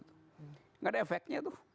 nggak ada efeknya tuh